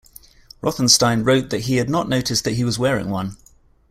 Rothenstein wrote that he had not noticed that he was wearing one.